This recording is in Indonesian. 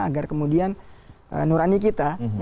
agar kemudian nurani kita